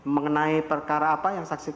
mengenai perkara apa yang saksikan